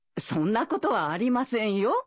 そんなことはありませんよ。